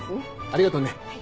ありがとね。